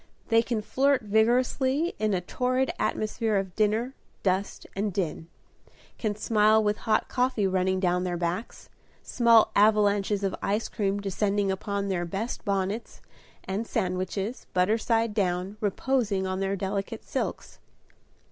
They can flirt vigorously in a torrid atmosphere of dinner, dust, and din; can smile with hot coffee running down their backs, small avalanches of ice cream descending upon their best bonnets, and sandwiches, butter side down, reposing on their delicate silks.